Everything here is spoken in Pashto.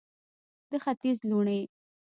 د ختیځ لوڼې